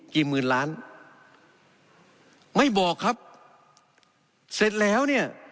หมื่นล้านไม่บอกครับเสร็จแล้วเนี่ย